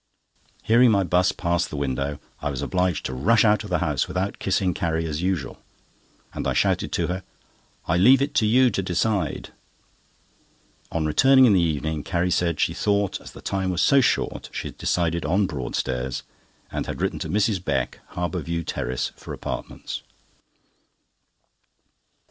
Hearing my 'bus pass the window, I was obliged to rush out of the house without kissing Carrie as usual; and I shouted to her: "I leave it to you to decide." On returning in the evening, Carrie said she thought as the time was so short she had decided on Broadstairs, and had written to Mrs. Beck, Harbour View Terrace, for apartments.